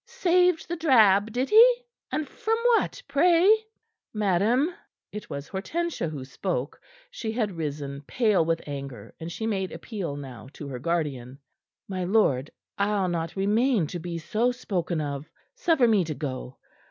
"Saved the drab, did he? And from what, pray?" "Madam!" It was Hortensia who spoke. She had risen, pale with anger, and she made appeal now to her guardian. "My lord, I'll not remain to be so spoken of. Suffer me to go.